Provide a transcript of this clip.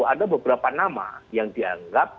ada beberapa nama yang dianggap